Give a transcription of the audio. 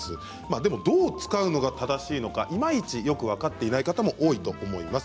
でも、どう使うのが正しいのかいまいちよく分かっていない方も多いと思います。